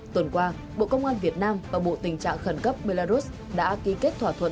tuần qua bộ công an việt nam và bộ tình trạng khẩn cấp belarus đã ký kết thỏa thuận